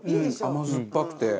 甘酸っぱくて。